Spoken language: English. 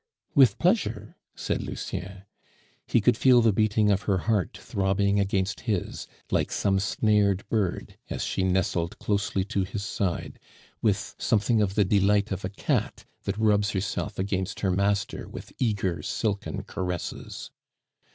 "With pleasure," said Lucien. He could feel the beating of her heart throbbing against his like some snared bird as she nestled closely to his side, with something of the delight of a cat that rubs herself against her master with eager silken caresses.